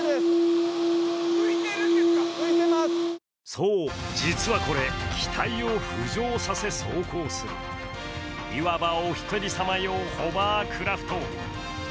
そう、実はこれ機体を浮上させ走行するいわばお一人様用ホバークラフト。